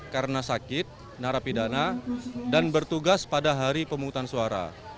karena sakit narapidana dan bertugas pada hari pemutusan suara